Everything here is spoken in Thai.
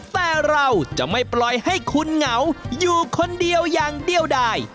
แต่เราจะไม่ปล่อยให้คุณเหงาอยู่คนเดียวอย่างเดียวได้